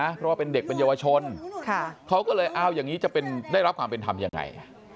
เพราะว่าเป็นเด็กเป็นเยาวชนเขาก็เลยเอาอย่างนี้จะได้รับความเป็นธรรมยังไง